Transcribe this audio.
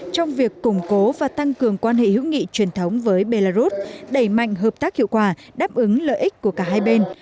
trong việc củng cố và tăng cường quan hệ hữu nghị truyền thống với belarus đẩy mạnh hợp tác hiệu quả đáp ứng lợi ích của cả hai bên